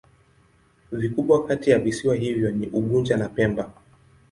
Vikubwa kati ya visiwa hivyo ni Unguja na Pemba.